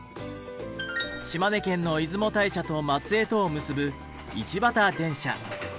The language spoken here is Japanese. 島根県の出雲大社と松江とを結ぶ